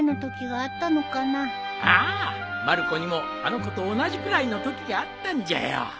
ああまる子にもあの子と同じぐらいのときがあったんじゃよ。